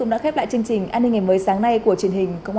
hẹn gặp lại các bạn trong những video tiếp theo